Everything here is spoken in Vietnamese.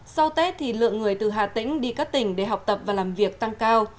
sau tết thì lượng người từ hà tĩnh đi các tỉnh để học tập và làm việc tăng cao